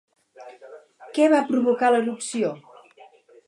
Què va provocar l'erupció?